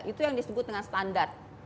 itu yang disebut dengan standar